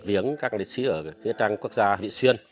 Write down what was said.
viếng các liệt sĩ ở phía trang quốc gia bị xuyên